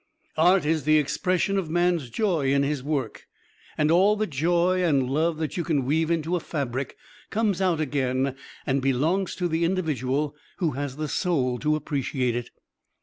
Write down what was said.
Art is the expression of man's joy in his work, and all the joy and love that you can weave into a fabric comes out again and belongs to the individual who has the soul to appreciate it.